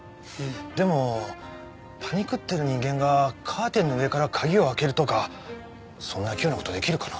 でもパニクってる人間がカーテンの上から鍵を開けるとかそんな器用な事出来るかな？